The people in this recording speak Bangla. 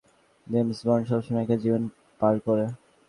জেমস বন্ড সবসময় একা জীবন পার করে।